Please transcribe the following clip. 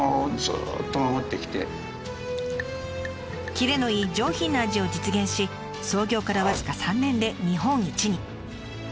切れのいい上品な味を実現し創業から僅か３年で日本一に。